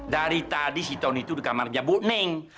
dari tadi si tony tuh di kamarnya buning